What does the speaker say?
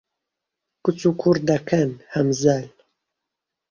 کچ و کوڕ دەکەن هەمزەل